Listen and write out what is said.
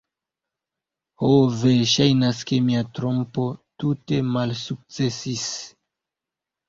Ho ve, ŝajnas ke mia trompo tute malsukcesis.